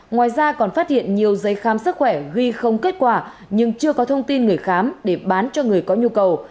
ngoài ra còn phát hiện nhiều giấy khám sức khỏe ghi không kết quả nhưng chưa có thông tin người khám để bán cho người có nhu cầu